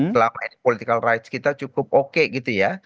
selama ini political rights kita cukup oke gitu ya